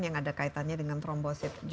yang ada kaitannya dengan trombosit